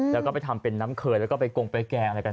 แล้วก็ไปทำเป็นน้ำเคยแล้วก็ไปกงไปแกงอะไรกัน